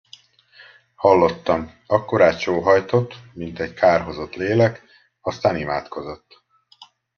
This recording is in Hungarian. Hallottam: akkorát sóhajtott, mint egy kárhozott lélek; aztán imádkozott.